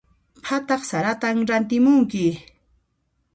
Phataq saratan rantimunki.